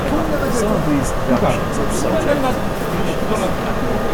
Some of these deductions are subject to limitations.